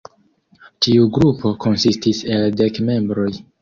Ĉiu grupo konsistis el dek membroj.